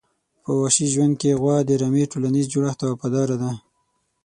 په وحشي ژوند کې غوا د رمي ټولنیز جوړښت ته وفاداره ده.